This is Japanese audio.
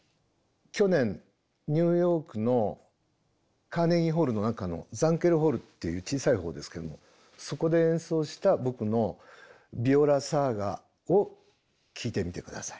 去年ニューヨークのカーネギーホールの中のザンケルホールっていう小さいほうですけどそこで演奏した僕の「ＶｉｏｌａＳａｇａ」を聴いてみて下さい。